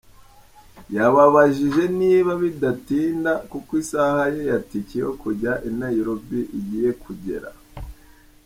Yababajije niba bidatinda kuko isaha ye ya tike yo kujya i Nairobi igiye kugera.